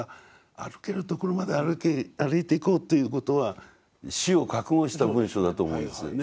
歩けるところまで歩いていこうということは死を覚悟した文章だと思うんですよね。